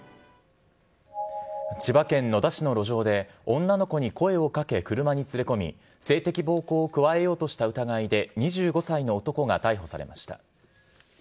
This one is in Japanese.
千葉県野田市の路上で、女の子に声をかけ車に連れ込み、性的暴行を加えようとした疑いで２５歳の男が逮捕されました。